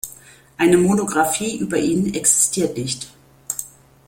Eine Monographie über ihn existiert nicht.